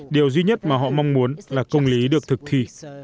điều duy nhất mà họ mong muốn là công lý được thực thi